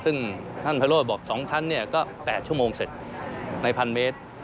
ซึ่งท่านพระโรธบอก๒ชั้นก็๘ชั่วโมงเสร็จใน๑๐๐เมตร